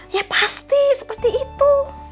ya pasti seperti itu